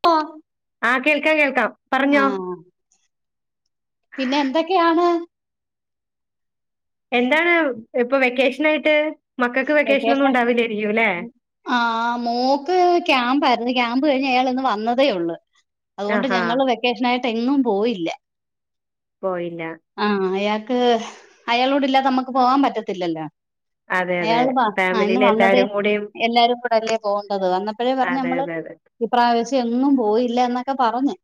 [inaudible] ആഹ് കേൾക്കാം കേൾക്കാം പറഞ്ഞോ ആഹ് പിന്നെ എന്തൊക്കെയാണ് എന്താണ് ഇപ്പൊ വെക്കേഷനായിട്ട് മക്കൾക്ക് വെക്കേഷനൊന്നും ഉണ്ടാവില്ലായിരിക്കും അല്ലേ ആഹ് മോക്ക് ക്യാമ്പായിരുന്നു ക്യാമ്പ് കഴിഞ്ഞഞ് അയാൾ ഇന്ന് വന്നതേ ഉള്ളു അതുകൊണ്ട് ആഹാ ഞങ്ങള് വെക്കേഷൻ ആയിട്ട് എങ്ങും പോയില്ല പോയില്ല ആഹ് അയാൾക്ക് അയാളോട് ഇല്ലാതെ നമ്മുക്ക് പോവാൻ പറ്റത്തില്ലല്ലോ അതെ അതെ അയാൾ ആ ഇന്ന് ഫാമിലിയിൽ വന്നത് എല്ലാരും കൂടിയും എല്ലാരും കൂടെ അല്ലേ പോകേണ്ടത് വന്നപ്പോഴേ പറഞ്ഞഞ് അതെ നമ്മള് അതെ അതെ ഈ പ്രാവശ്യം എങ്ങും പോയില്ല എന്നൊക്കെ പറഞ്ഞ്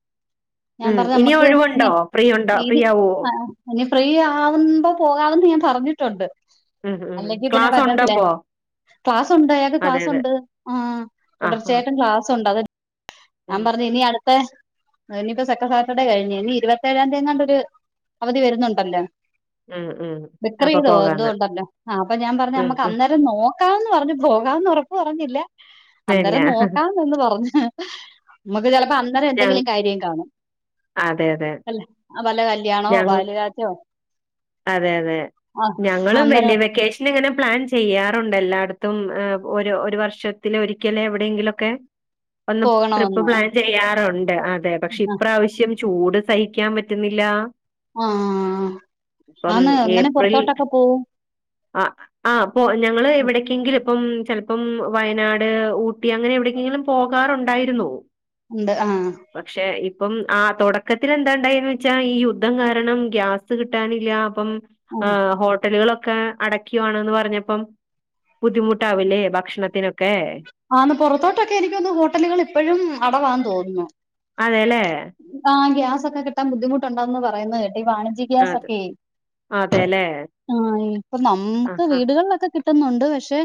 ഞാൻ ഉം പറഞ്ഞ് ഇനി നമ്മക്ക് ഒഴിവുണ്ടോ ഫ്രീ ഉണ്ടോ ഫ്രീ ത് ആവോ ആഹ് ഇനി ഫ്രീ ആവുമ്പോ പോകാമെന്ന് ഞാൻ പറഞ്ഞിട്ടുണ്ട് ഉം ഉം ഉം അല്ലെങ്കിൽ പിന്നെ ക്ലാസ് പറ്റത്തില്ല ഉണ്ടപ്പോ ക്ലാസ് ഉണ്ട് യാക്ക് ക്ലാസ്ണ്ട് ആഹാ തുടർച്ചയായിട്ട് ക്ലാസ്ണ്ട് അത് ഉം ഞാൻ പറഞ്ഞു ഇനി അടുത്ത ഇനിയിപ്പൊ സെക്കൻ്റ് സാറ്റർഡേ കഴിഞ്ഞു ഇനി ഇരുപത്തേഏഴാം തീയതിണ്ടൊ ഒരു അവധി വരുന്നുണ്ടല്ലോ ഉം ഉം അപ്പൊ ബക്രീദ് എന്തു പോകാന്ന് ഉണ്ടല്ലോ ആഹ് ഞാൻ പറഞ്ഞു ഉം നമക്ക് ഉം അന്നേരം നോക്കാംന്ന് പറഞ്ഞു പോകാംന്ന് ഉറപ്പ് പറഞ്ഞില്ല ഇല്ല അന്നേരം നോക്കാ പറഞ്ഞ് നമുക്ക് ചിലപ്പോ അന്നേരം ഞ എന്തെങ്കിലും കാര്യം കാണും വല്ല അഹ് വല്ല കൽ ഞങ്ങ് അതെ അതെ ആ ഞങ്ങളും അന്നേരം വെല്ല്യെ വെക്കേഷ് ഷന് ഇങ്ങനെ പ്ലാൻ ചെയ്യാറുണ്ട് എല്ലാ ഇടത്തും എഹ് ഒരു ഒരു വർഷത്തില് ഒരിക്കലെവ്ടേങ്കിലൊക്കേ ഒന്ന് ട്രിപ്പ് പോകണമെന്ന് പ്ലാൻ ചെയ്യാറുണ്ട് അതെ പക്ഷെ ഇപ്രാവ്ശ്യം. ചൂട് സഹിക്കാൻ പറ്റ്ന്നില്ല. ആഹ് ഇപ്പം ഏപ്രിൽ. അഹ് ആഹ് പ്പൊ ഞങ്ങള് എവ്ടെക്കെങ്കിലും ഇപ്പം ചെൽ പ്പം വയനാട് ഊട്ടി അങ്ങനെ എവടെക്കെങ്കിലും പോകാറുണ്ടായിരുന്നു. ഉണ്ട് ആഹ് പക്ഷെ ഇപ്പം ആഹ് തൊടക്കത്തില് എന്താ ഇണ്ടായേന്ന് വെച്ചാ ഈ യു ദ്ധം കാരണം ഗ്യാസ് കിട്ടാനില്ല്യാ അപ്പം ആ ഹ് ഹോ ട്ടല്കളൊക്കെ അടക്ക്യുവാണ്ന്ന് പറഞ്ഞപ്പം ബുദ്ധിമുട്ടാവില്ലേ ഭക്ഷണത്തിനൊ ക്കേ ആന്ന് പൊറത്തോട്ടൊക്കെ എനിക്ക്യോന്ന്ന്നു ഹോട്ടലുകള് ഇപ്പഴും അടവാന്ന് തോന്നുന്നു. അതെല്ലേ. ആഹ് ഗ്യാസൊക്കെ കിട്ടാൻ ബുദ്ധിമുട്ടൊണ്ടെന്ന് പറയ്ന്ന് കേട്ട് ഈ വാണിജി അതെ ഗ്യാസൊക്കേയ് അതെല്ലേ ആഹ് ഇപ്പൊ ആ നമ്മ്ക്ക് ആ വീടുകളിലൊക്കെ കി ട്ടുന്നുണ്ട് പക്ഷെ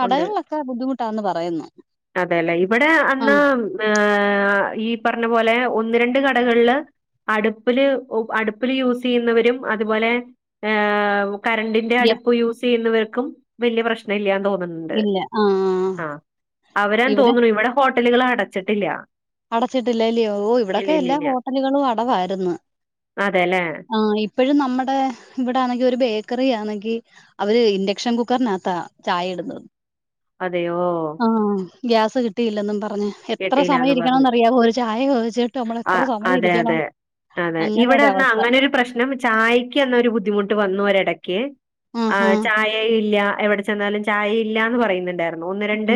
കടകളിലൊക്കെ ബുദ്ധിമുട്ടാന്ന് പറയ്ന്ന്. അതേല്ലേ ഇവടെ അന്നാ ആഹ് ഈ പറഞ്ഞ പോലെ ഒന്ന് രണ്ട് കടകൾള് അട്പ്പ്ല് അട്പ്പ്ല് യൂസ് ചെയ്യുന്നവരും അതുപോലെ ഏഹ് കരണ്ടിന്റെ യ അടുപ്പ് യൂസ്സെയ്യുന്നവർക്കും വെല്യെ പ്രശ്നം ഇല്ല്യാന്ന് തോന്ന്ന്ന് ഇല്ല ആഹ്. അവരാന്ന് തോന്ന്ണു ഇവിടെ ഹോട്ടലുകള് അടച്ചിട്ടില്ല. അടച്ചിട്ടില്ല അല്ലയോ ഓ ഇല്ല ഇവ്ടൊക്കെ ഇല്ല എല്ലാ ഇല്ല ഹോട്ടലുകളും അടവായിര്ന്ന് അതെല്ലേ ആഹ് ഇ പ്പഴും നമ്മടെ ഇവടാന്നെങ്കി ഒരു ബേക്കറി ആന്നെങ്കി അവര് ഇൻഡക്ഷൻ കുക്കർനകത്താ ചായ ഇട്ന്നത്. അതെയോ ആഹ് ഗ്യാസ് കിട്ടിയില്ലെന്നും പറഞ്ഞ് എത്ര സമയം കേട്ടില്ലന്ന് ഇരി ക്കണം പറഞ്ഞു ന്നറിയാവോ ഒര് ചായ ചോദിച്ചിട്ട് അമ്മള് ആ എത്ര സമയം അതെ അതെ ഇരിക്ക്യണം അങ്ങനൊരവസ്ഥ പിന്നെ അംക്ക് ചായെക്ക് അന്നൊരു ബുദ്ധിമുട്ട് വന്നു ഒരെടക്ക് ആഹ് അഹ് ആഹ് ചായ യേ ഇല്ല എവ്ടെ ചെന്നാലും ചായ ഇല്ലാന്ന് പറയ്ന്ന്ണ്ടാരുന്നു ഒന്ന് രണ്ട്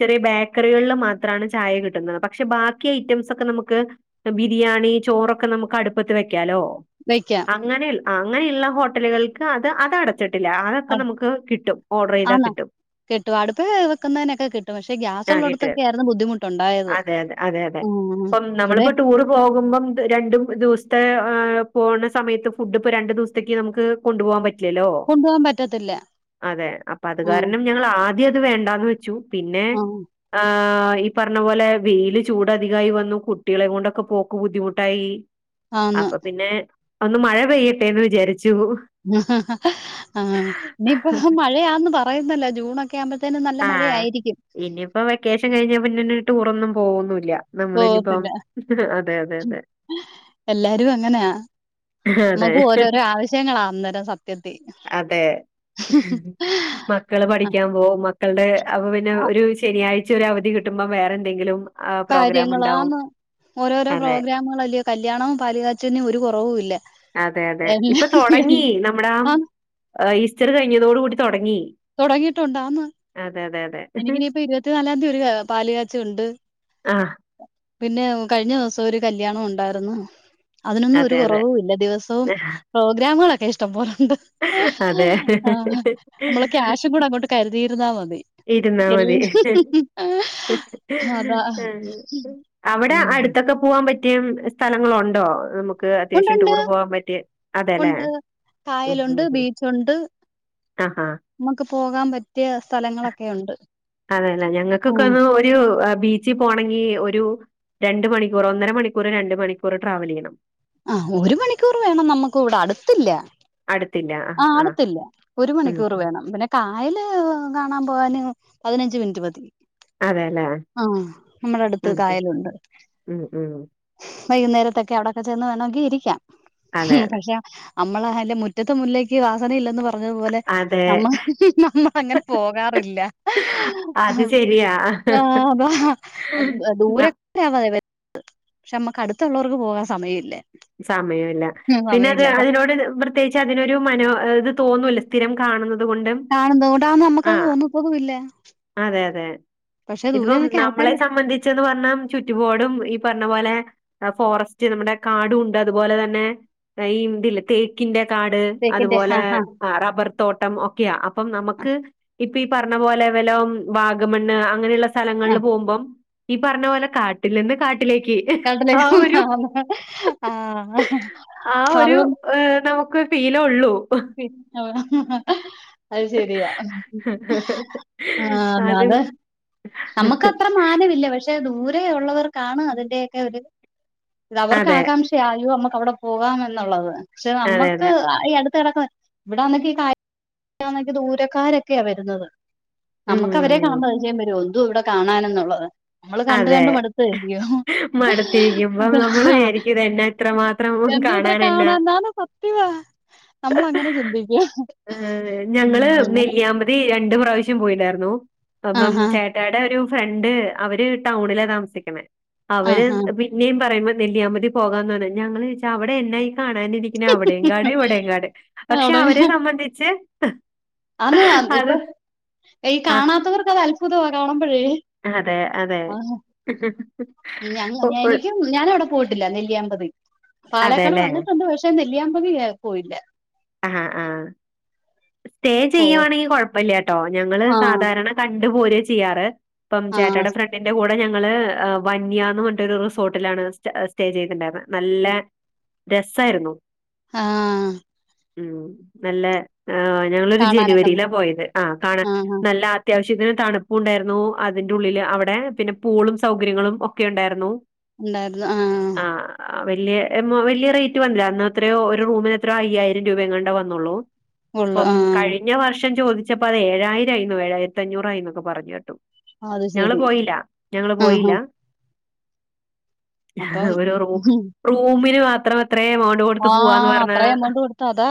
ചെറ്യെ ബേക്കറികളില് മാ ത്രാണ് ചായ കിട്ടുന്നത് പക്ഷെ ബാക്കി ഐറ്റംസ് ഒക്കെ നമ്ക്ക് പ്പ ബിരിയാണി, ചോറൊക്കെ നമ്മ്ക്ക് അടുപ്പത്ത് വെക്ക്യാലോ. വെക്ക്യാം അങ്ങനെയ്ൾ ആഹ് അങ്ങനെയ്ള്ള ഹോട്ടലുകൾക്ക് അത് അതട ച്ച്ട്ടില്ല അതൊക്കെ നമുക്ക് കിട്ടും ഓർഡറെയ്താ കിട്ടും. കിട്ടു അട്പ്പതെഹ് വെക്ക്ന്നേനൊക്കെ കിട്ടും പക്ഷേ ഗ്യാസ് ആഹ് കിട്ടും. ഉള്ളടത്തൊക്കെയായിരുന്നു ബുദ്ധിമു അതെ അതെ അതെ അതെ ഇപ്പം ഇവിടെ നമ്മളിപ്പോ ടൂറ് പോകുമ്പം രണ്ടും ദിവ്സ്ത്തെ എഹ് പോണ സമയത്ത് ഫുഡ് ഇപ്പ രണ്ട് ദിവസ്ത്ത്ക്ക് നമുക്ക് കൊണ്ടുപോകാൻ പ കൊണ്ടു പോകാൻ പറ്റത്ത് അതെ അപ്പൊ അത് കാരണം ഞങ്ങളാദ്യ അത് വേണ്ടാന്ന് വെച്ചു പിന്നേ ഉം ആഹ് ഈ പർഞ്ഞ പോലെ വെയില് ചൂട് അധികായി വന്നു കുട്ടികളേം കൊണ്ടൊക്കെ പോക്ക് ബുദ്ധിമുട്ടായി. ആന്ന് അപ്പം പിന്നെ ഒന്ന് മഴ പെയ്യട്ടെന്ന് വിചാരിച്ചു. ആഹ് ഇനിയിപ്പോ മഴയാന്ന് പറയുന്നല്ല ജൂണൊ ക്കെ ആവുമ്പ തേനുംനല്ല മഴയായിരിക്കും ഇനിയിപ്പം വെക്കേഷൻ കഴിഞ്ഞ പിന്നെ ന്നെ ടൂറൊന്നും പോവൊന്നും ല്ല പോവത്തി ല്ല എല്ലാരും അങ്ങനാ അതെ നമ്മക്ക് ഓരോരോ ആവശ്യങ്ങളാ അന്നേരം സത്യത്തി അതെ മക്കള് പഠിക്കാൻ പോവും മക്കൾടെ അപ്പ പിന്നെ ഒരു ശനിയാഴ്ച്ച ഒര് അവധി കിട്ടുമ്പം വേറെ ന്തെങ്കിലും കാര്യങ്ങളാന്ന് ഓരോരോ അതെ പ്രോഗ്രാമുകളല്ലേ കല്യാണവും പാലുകാച്ചൽനും ഒരു കൊറവും ഇല്ല അതെ അതെ ഇപ്പൊ തൊടങ്ങി നമ്മടെ ആന്ന് ആ ഈസ്റ്റർ കഴിഞ്ഞതോടു കൂടി തൊടങ്ങി തൊടങ്ങിട്ടുണ്ടാന്ന് അതെതെതെ എനിക്കിനിപ്പം ഇരുപത്തിനാലാ ന്തി ഒര് പാല് കാച്ച ഉണ്ട് ആഹ് പിന്നെ കഴിഞ്ഞൊ സം ഒരു കല്യാണം ണ്ടാരുന്ന് അതിനൊന്നും ഒരു അതെ അതെ കുറവുംല്ല ദിവസവും പ്രോഗ്രാമ്കളൊക്കെ ഇഷ്ടംപോലുണ്ട് അതെ ആഹ് നമ്മള് ക്യാഷും കൂടി അങ്ങോട്ട് കരുതിയിരുന്നാ മതി ഇരുന്നാ എല്ലാം മതി അതാ. അവിടെ ഉം. അടുത്തൊക്കെ പൂവാൻ പറ്റിയ സ്ഥലങ്ങളുണ്ടോ നമു ക്ക് അത്യാവശ്യം ഉണ്ടുണ്ട്. ടൂറ് പോകാ പറ്റിയെ അതെ ല്ലേ ണ്ട് ബീച്ച്ണ്ട് ആഹ് ആ നമ്മക്ക് പോകാൻ പറ്റിയ സ്ഥലങ്ങളൊക്കെയുണ്ട് അതെല്ലേ ഞങ്ങക്കൊക്കെ ഉം. ഒന്ന് ഒരു ബീച്ചി പോണങ്കി ഒരു രണ്ട് മണിക്കൂർ ഒന്നര മണിക്കൂർ രണ്ട് മണിക്കൂർ ട്രാവലെയ്യണം ആഹ് ഒരു മണിക്കൂർ വേണം നമ്മക്കും ഇവിടെ അടുത്ത്ല്ല അടുത്തില്ല ആ ആഹ് ആ അടുത്ത്ല്ല ഒരു ഉം മണിക്കൂർ ഉം. വേണം പിന്നെ കായല് കാണാൻ പോവാന് പതിനഞ്ച് മിനിറ്റ് മതി അതെല്ലേ ആഹ് നമ്മളടുത്ത് ഉം ഉം കായലുണ്ട് ഉം ഉം വൈകുന്നേരത്തൊക്കെ അവിടെക്കെ ചെന്ന് വേണമങ്കി ഇരിക്കാ അതെ അതെ പക്ഷെ അമ്മള അ അയിന്റെ മുറ്റ ത്തെ മുല്ലക്ക് വാസനയില്ലെന്ന് പ അതെ പോലെ അതെ നമ്മള് നമ്മളങ്ങനെ പോകാറില്ല അത് ശരിയാ ആഹ് അതാ ദൂരം ന- ത്താ വരത്ത് പക്ഷെ നമ്മക്ക് അടുത്തുള്ളവർക്ക് പോകാൻ സമയം ഇല്ല സമയോല്ല പിന്നെ റ്ഞ്ഞാ അതിനോട് ത് [unintelligible] ത്യേച്ച് അതിനൊരു മനോ ഇത് തോന്നൂല്ല സ്ഥിരം കാണുന്നത് കൊണ്ട് കാണും തോടാ നമ്മുക്കത് [unintelligible] അതെ അതെ ഇതിപ്പം നമ്മളെ ആൾക്കാര് സംബന്ധി ച്ച് പ ർഞ്ഞാ ചുറ്റുപോടും ഈ പറ്ഞ്ഞ പോലെ ഫോറസ്റ്റ് നമ്മുടെ കാടുണ്ട് അതുപോലെ തന്നെ ഈ ഇതില്ലേ തേ ക്കിന്റെ കാട് തേക്കിന്റെ അതുപോലെ ആഹ് റബർ തോട്ടം ഒക്കെയ അപ്പം നമുക്ക് ഇപ്പ ഈ പറഞ്ഞ പോലെ വല്ലോ വാഗമണ്ണ് അങ്ങനെള്ള സ്ഥലങ്ങളിൽ ആഹ് പോകുമ്പം ഈ പറഞ്ഞ പോലെ കാട്ടിൽ നിന്ന് കാട്ടിലേക്ക് ആ ഒരു [unintelligible] ആഹ് ആ ഒരു അതുകൊണ്ട് നമുക്ക് ഫീലെ ഉള്ളൂ [unintelligible] അത് ശരിയാ ആ അത് അതെ നമ്മക്കത്രെ മാനമില്ല പക്ഷെ ദൂരെ ഉള്ളവർക്കാണ് അതിന്റെയൊക്കെ ഒരു അവർക്ക് അതെ അതെ ആകാംക്ഷയ നമ്മുക്ക് അവിടെ പോകാം ന്നുള്ളത് പക്ഷെ നമ്മുക്ക് അതെ ഇ അടു [unintelligible] ഇവിടന്നക്ക ഈ ദൂരക്കാരൊക്കെയാ വരുന്നത് നമുക്ക് അവരെ ഉം കാണുമ്പോ പരിചയം വരോ എന്തുവാ ഇവിടെ കാണനെന്നുള്ളത് നമ്മള് കണ്ട് അതെ കണ്ട് മടുത്തല്ല്യോ മടുത്തിരിക്കുമ്പം അതാ നമ്മള് ആഹ് വിചാരിക്കും ഇതെന്നാ ഇത്രമാത്രം എന്തോത്ര കാണാനെന്നാ കാണാൻന്നാലും സത്യവാ നമ്മളങ്ങനെ ചിന്തിക്ക അങ്ങനെ തി രണ്ട് പ്രാവശ്യം പോയിണ്ടാ യിരുന്നു അപ്പം ആഹാ ചേട്ടയിടെ ഒരു ഫ്രണ്ട്. അവര് ടൗണില താമസിക്കണ അവര് ആഹാ ന്നിം പറുമ്പോ നെല്ലിയാപതി പോകാന്നന്ന് ഞമ്മൾ വെച്ചാ അവിടെ എന്നായി കാണാനിരിക്കുന്ന അവടെ കാട് ഇവിടെ കാട് പക്ഷെ അവിടെ അവരെ സംബന്ധിച്ച് അന്ന് അത് പ്പൊ ഈ ആഹ് കാണാത്തവർക്ക് അത് അത്ഭുതമാ കാണ്പഴേ തെ അതെ ഒ ഇല്ല്യ ഒ എനിക്കും ഞാനവിടെ പോയിട്ടില്ല നെല്ലിയാമ്പറി പാലക്കാട് അതേല്ലേ വന്നിട്ടുണ്ട് പക്ഷെ നെല്ലിയാമ്പതി പോയില്ല. ആഹ് ആഹ് സ്റ്റേ പോ ചെയ്യുവാണെങ്കിൽ കുഴപ്പമില്ലട്ടോ ഞങ്ങള് ആ സാധാരണ കണ്ടുപോര ചെയ്യാറ്. ഇപ്പം ആഹ് ചേട്ടടെ ഫ്രണ്ടിന്റെ കൂടെ ഞങ്ങ ങ്ങള് വന്യന്ന് പറഞ്ഞി ഒരു റിസോർട്ടിലാണ് സ്റ്റേ ചെയ്തിണ്ടാന്നത് നല്ല രസായിരുന്നു. ആഹ് ഉം നല്ല ആ ഞങ്ങളൊരു കാണാനൊക്കെ ജനുവരിയിലാ പോയത് ആ കാണാ ആഹ് ആഹ് നല്ല അത്യാവശ്യത്തിന് തണുപ്പും ഉണ്ടായിരുന്നു അതിന്റെ ഉള്ളില് അവിടെ പിന്നെ പൂളും സൗകര്യങ്ങളും ഒക്കെ ഉണ്ടായിരുന്നു. ഉണ്ടായിരുന്നു ആഹ. ആ വലിയ വലിയ റേറ്റ് വന്നില്ല എന്നാ അത്രയോ ഒരു റൂമിന് എത്രയോ അയ്യായിരം രൂപയങ്ങണ്ട വന്നുള്ളൂ. ഉള്ളു ഇപ്പം ആഹ് കഴിഞ്ഞ വർഷം ചോദിച്ചപ്പോ അത് ഏഴായിരംയിരുന്നു ഏഴായിരത്തി അഞ്ഞൂറായിന്നൊക്കെ പറഞ്ഞു കേട്ടു അത് ഞങ്ങള് ശരി പോയില്ല ഞങ്ങള് പോയില്ല. ആഹ് അപ്പം ഒരു റൂ റൂമിന് മാത്രംത്ര എമൗ ആഹ അത്രയും എമൗണ്ട് കൊടുത്ത അതാ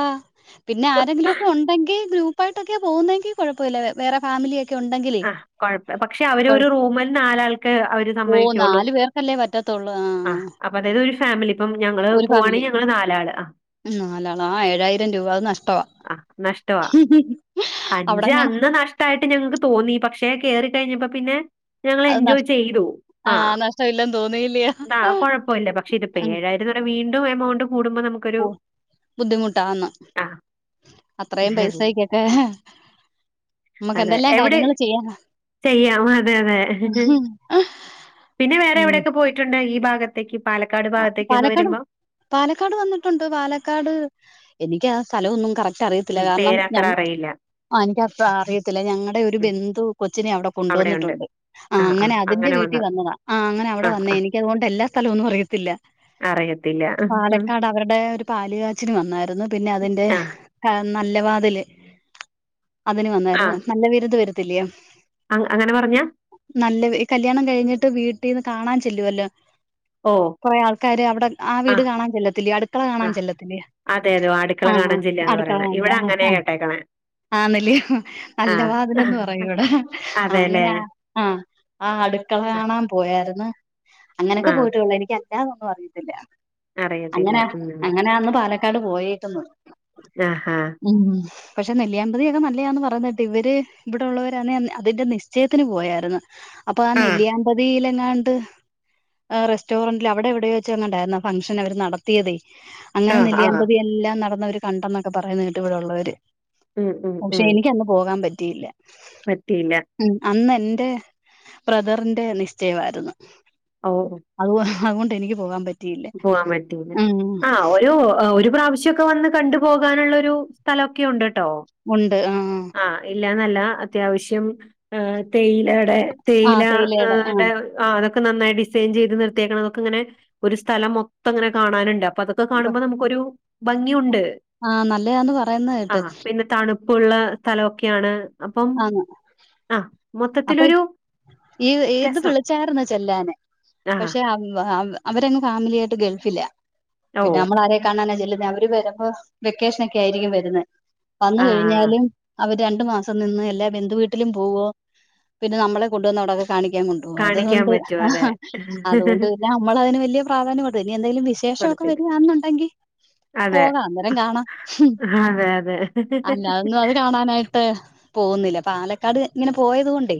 പിന്നെ ആരെങ്കില ഒക്കെ ഉണ്ടാങ്കിൽ ഗ്രൂപ്പായിട്ടൊക്കെ പോകുന്നെങ്കിൽ കുഴപ്പമില്ല വേറെ ഫാമിലി ക്കെ ഉണ്ടെങ്കില് ആ കുഴപ്പം പക്ഷെ അവര് ഒരു റൂമിൽ നാലാൾക്ക് അവര് ഓ സമ്മവിക്കുള്ളൂ. നാലു പേർക്കല്ലേ പറ്റത്തുള്ളൂ ആഹ് അപ്പൊ അതായത് ഒരു ഫാമിലി ഇപ്പം ഞങ്ങള് പോവാണെങ്കി ഞങ്ങള് നാലാള് ആഹ്. നാലാള ആ ഏഴായിരം രൂപ നഷ്ടവാ. ആഹ് നഷ്ടവാ അഞ്ച് അവിടെങ്ങാണ് അന്ന് നഷ് ‌ട്ടായിട്ട് ഞങ്ങൾക്ക് തോന്നി പക്ഷേ കേയറിക്കഴിഞ്ഞപ്പ പിന്നെ ഞങ്ങല് അത് എൻജോയ് നഷ് ചെയ്തു ആഹ ആഹ് നഷ്ടമില്ലെന്ന് തോന്നിയില്ലയോ ന്താ. കുഴപ്പല്ല പക്ഷെ ഇതിപ്പോ ആ ഏഴായിരം പറയുമ്പോ വീണ്ടും എമൗണ്ട് കൂടുമ്പോ നമുക്ക. ഓ ബുദ്ധിമുട്ടാന്ന് അത്രയും ആ പൈസക്കൊക്കെ നമുക്ക് അതെ എന്തെല്ലാം എവിടെ കാര്യങ്ങൾ ചെയ്യാനാ ചെയ്യാം അതെ അതെ പിന്നെ വേറെ ഉം എവിടെയൊക്കെ പോയിട്ടുണ്ട് ഈ ഭാഗത്തേക്ക് പാലക്കാട് ഭാഗത്തേക്കൊക്കെ പാലക്കാട് വരുമ്പോ? പാലക്കാട് വന്നിട്ടുണ്ട് പാലക്കാട് എനിക്ക് ആ സ്ഥലമൊന്നും കറക്ട് അറിയത്തില്ല ഉം. കാരണം പേരത്ര ഞ അറിയില്ല. ആ എനിക്കത്ര അറിയത്തില്ല ഞങ്ങളടെ ഒരു ഉം. ബന്ധു കൊച്ചിനെ അവിടെ അവിടെയുണ്ട്. കൊണ്ടുവന്നിട്ടുണ്ട്. ആഹ് അങ്ങനെ അതിന്റെ വീട്ടിൽ വന്നതാ ആ അങ്ങന അവിടെ ആഹ്, വന്നേ ആഹ്. എനിക്ക് അതൊണ്ട് എല്ല സ്ഥലവൊന്നും അറി ത്തില്ല അറിയത്തില്ല. പാലക്കാട് അവരുടെ ഒരു പാലുകാച്ചിൻ വന്നായിരുന്നു പിന്നെ അതിന്റെ ആഹ്, ആ നല്ല വാതില് അതിന് വന്നായിരുന്നു നല്ല വിരുത് വരത്തില്ലയോ. അ അങ്ങനെ പറഞ്ഞ നല്ല ഈ കല്യാണം കഴിഞ്ഞിട്ട് വീട്ടിന്ന് നിന്ന് കാണാൻ ചെല്ലുവല്ലോ. ഓഹ്. കുറെേ ആൾക്കാര് അവിടെ ആ വീട് ആഹ്, കാണാൻ ചെല്ലതിലയോ അടുക്കള കാണാൻ ആഹ്. ചെല്ലത്തില്ലേ അതെ അതെ അടുക്കള ആ കാണൻ ആ, ചെല്ലാന്ന് പറയണ ഇവിടെ അങ്ങനാ കേട്ടേക്കണെ. ആണ് ല്ലേ നല്ല ആഹ്. വാതിലന്ന് പറയും ഇവിടെ അതേല്ലേ. അങ്ങനെ ആഹ് ആ അടുക്കള ആഹ്, കാണാൻ പോയാര്ന്ന് അങ്ങനൊക്കെ ആഹ്. പോയിട്ടുള്ള എനിക്ക് അല്ല അതൊന്നും അറിയത്തില്ല അറിയത്തില്ല. അങ്ങനെ ഉം. അങ്ങനെയന്ന് പാലക്കാട് പോയെക്ക്ന്ന്. ആഹ് ആഹ് ഉം പക്ഷെ നെല്ലിയാമ്പതി ഒക്കെ നല്ലയാന്ന് പറയഞ്ഞിട്ട് ഇവര് ഇവിടെ ഒള്ളവര് അന്നെ അതിന്റെ നിശ്ചയത്തിന് പോയായിരുന്നു അപ്പ ആ ആഹ്. നെല്ലിയാമ്പതിയില് എങ്ങാണ്ട് റെസ്റ്റോറന്റ് ഇല്ല അവിടെ എവിടെയോ വെച്ച് എങ്ങാണ്ട് ആയിരുന്നു ഫംഗ്ഷൻ അവര് നടത്തിയതേ അങ്ങനെ ആഹ്, ആഹ്. നെല്ലിയാമ്പതി എല്ലാം നടന്ന് അവര് കണ്ടന്നൊക്കെ പറയുന്ന കേട്ട് ഇവിടെ ഒള്ളവര് ഉം, ഉം, പക്ഷെ ഉം. എനിക്ക് അന്ന് പോകാൻ പറ്റിയില്ല പറ്റിയില്ല. ഉ അന്ന് എന്റെ ബ്രദറിന്റെ നിശ്ചയമായിരുന്നു ഓ ഓ അത് അതുകൊണ്ട് എനിക്ക് പോകാൻ പറ്റി പോകാൻ പറ്റിയില്ല ആ ഒരു ഒരു പ്രാവശ്യം ക്ക് വന്ന് കണ്ടു പോകാനുള്ള ഒരു സ്ഥലം ഒക്കെ ഒണ്ട് കേട്ടോ ഉണ്ട് ആ ആഹ് ഇല്ലാന്ന് അല്ല അത്യാവശ്യം ഉം തേയിലടെ ആ തേയില തേയിലയുടെ ആ ടെ ആ് അത് ഒക്കെ നന്നായി ഡിസൈൻ ചെയ്ത് നിർത്തിയേക്കണത് ഒക്കെ ഇങ്ങനെ ഒരു സ്ഥലം മൊത്തം ഇങ്ങനെ കാണാൻ ഉണ്ട് അപ്പ അത് ഒക്കെ അപ്പൊ കാണുമ്പോ നമുക്ക് ഒരു ഭംഗിയുണ്ട് ആ നല്ലതാന്ന് പറയുന്ന ആ കേട്ട് പിന്നെ തണു ഉപ്പുള്ള സ്ഥലം ഒക്കെ ആണ് അപ്പം ആന്ന് ആഹ് മൊത്തത്തില് അപ്പൊ ഒരു ഈ ഇത് വിളിച്ചാർന്ന് ചെല്ലാനെ ആഹ് പക്ഷെ അം അം അവരങ്ങ് ഫാമിലി ആയിട്ട് ഗൾഫില പിന്നെ ഓഹ് അമ്മളരെ കാണാനാ ചെല്ലുന്നെ അവര് വെരുമ്പോ വെക്കേഷന് ഒക്കെ ആയിരിക്കും വരുന്നെ വന്ന് ആഹ് കഴിഞ്ഞാല് അവര് രണ്ടു മാസം നിന്ന് എല്ലാ ബന്ധു വീട്ടിലും പോവോ പിന്നെ നമ്മളെ കൊണ്ടു വന്ന് അവിടെ ഒക്കെ കാണിക്കാൻ കൊണ്ട ഒ അത് കാണിക്കാൻ കൊണ്ട് പറ്റും അതെ ആഹാ അത് കൊണ്ട് പിന്നെ അമ്മള് അതിന് വെല്യ പ്രാധാന്യം കൊടുത്തില്ല ഇനി എന്തെങ്കിലും വിശേഷം ഒക്കെ കൊടുത്തില്ല വരിക ആന്ന് ഉണ്ടെങ്കിൽ അതെ പോകാം അന്നേരം കാണാം അതെ, അതെ. അല്ലാത് ഒന്നും അത് കാണാനായി ട്ട് പോകുന്നില്ല പാലക്കാട് ഇങ്ങനെ പോയത് കൊണ്ടേ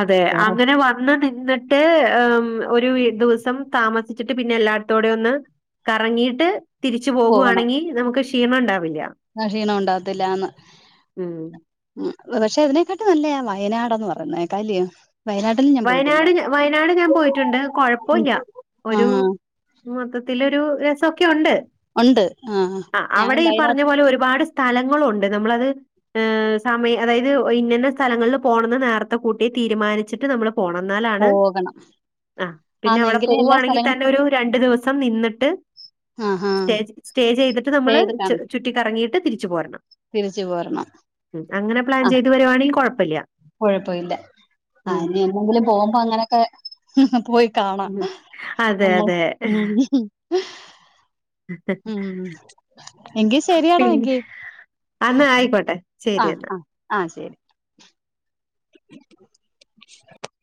അതെ വേറെ അങ്ങനെ വന്ന് നിന്ന് [inaudible] ഏമം ഒരു വി ദിവസം താമസിച്ചിട്ട് പിന്നെ എല്ലായിടത്തോടെ ഒന്ന് കറങ്ങിട്ട് തിരിച്ചു പോകുവാണ് എങ്കി നമുക്ക് ക്ഷീണം ഉണ്ടാവില്ല അ ക്ഷീണം ഉണ്ടാകത്തില്ലാന്ന് ഉം. ഉം പക്ഷെ അതിനെക്കാട്ടും നല്ലയാ വയനാടന്ന് പറയുന്ന കേൾക്കാം അല്ലയോ വയനാട് വയനാട് വയനാട് ഞാൻ പോയിട്ടുണ്ട് ഉം കുഴപ്പോല്ല ഒരു ആഹ് മൊത്തത്തില് ഒരു രസം ഒക്കെ ഒണ്ട് ഉണ്ട് ആഹ് ഞാനും അവിടെ ഈ വയനാട്ട് പറഞ്ഞ പോലെ ഒരുപാട് സ്ഥലങ്ങള് ഒണ്ട് നമ്മളത് ഏ സമയം അതായത് ഇന്നന്നെ സ്ഥലങ്ങളിൽ പോണന്ന് നേരത്തെ കൂട്ടി തീരുമാനിച്ചിട്ട് നമ്മൾ പോണം എന്നാലാണ് പോകണം ആ പിന്നെ ആന്ന് അവിടെ എങ്കിലേ എല്ലാ പോവുവാണെങ്കിൽ സ്ഥലങ്ങളും തന്നെ ഒരു രണ്ടു ദിവസം നിന്നിട്ട് ആഹാ സ്റ്റേ സ്റ്റേ ചെയ്തിട്ട് സ്റ്റേ നമ്മള് ചെയ്ത് കാണണം ചുറ്റിക്കറങ്ങിയിട്ട് തിരിച്ചു പോരണം തിരിച്ചു പോരണം ഉം അങ്ങനെ പ്ലാൻ ചെയ്ത് വരുവാണെങ്കിൽ കൊഴപ്പില്ല കുഴപ്പവില്ല ആ ഇനി എന്നെങ്കിലും പോകുമ്പോ അങ്ങനെ ഒക്കെ പോയി കാണാം ഉം. അതെ നമ്മൾ അതെ ഉം ഉം ഉം ഉം ഉം എങ്കി ശരിയെടാ പിൻ എങ്കി അന്നാ ആയിക്കോട്ടെ ശരി എന്നാ. ആഹ് ആഹ് ആഹ് ശരി